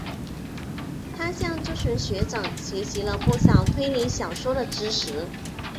他向这群学长学习了不少推理小说的知识。